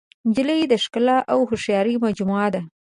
نجلۍ د ښکلا او هوښیارۍ مجموعه ده.